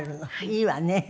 いいわね。